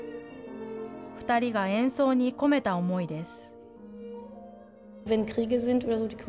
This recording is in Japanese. ２人が演奏に込めた思いです。